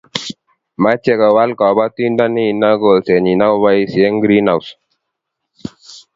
mechei kowal kabotinde nino kolsenyin akuboisie greenhouse